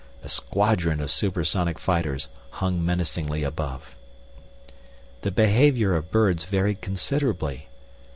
A squadron of supersonic fighters hung menacingly above. The behavior of birds varied considerably.